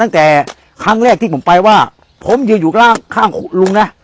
ตั้งแต่ครั้งแรกที่ผมไปว่าผมยืนอยู่ข้างลุงนะ